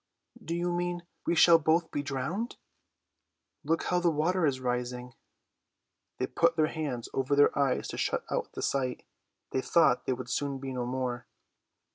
"Do you mean we shall both be drowned?" "Look how the water is rising." They put their hands over their eyes to shut out the sight. They thought they would soon be no more.